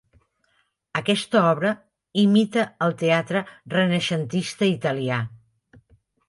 Aquesta obra imita el teatre renaixentista italià.